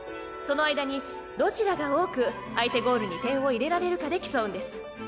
その間にどちらが多く相手ゴールに点を入れられるかで競うんです。